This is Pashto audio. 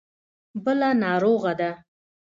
بله ناروغه ده.